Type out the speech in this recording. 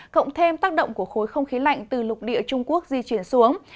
cộng thêm tác động của khối không khí lạnh từ lục địa trung quốc di chuyển xuống